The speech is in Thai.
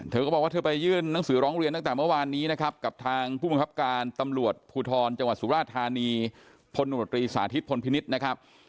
เธอก็บอกว่าเธอไปยื่นหนังสือร้องเรียนตั้งแต่เมื่อวานนี้นะครับกับทางผู้บังคับการตำรวจภูทรจังหวัดสุราธานีพลโนตรีสาธิตพลพินิษฐ์นะครับ